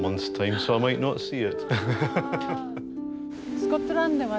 スコットランドではね